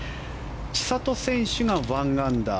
千怜選手が１アンダー。